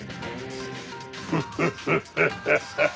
フフフフッ。